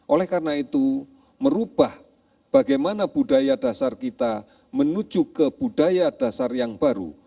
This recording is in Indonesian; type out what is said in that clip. oleh karena itu merubah bagaimana budaya dasar kita menuju ke budaya dasar yang baru